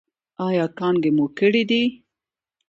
ایا کانګې مو کړي دي؟